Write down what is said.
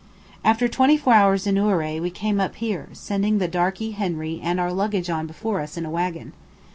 After twenty four hours in Ouray we came up here, sending the darkie Henry and our luggage on before us in a waggon.